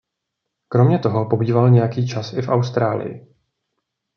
Kromě toho pobýval nějaký čas i v Austrálii.